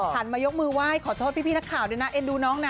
มายกมือไหว้ขอโทษพี่นักข่าวด้วยนะเอ็นดูน้องนะ